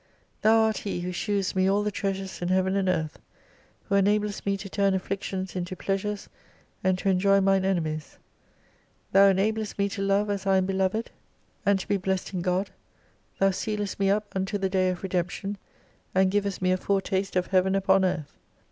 Thou art He who shewest me all the treasures in heaven and earth, who enablest me to turn afflictions into pleasures, and to enjoy mine enemies : Thou en ablest me to love as I am beloved, and to be blessed in God : Thou sealest me up unto the Day of Redemption, and givest me a foretaste of heaven upon earth.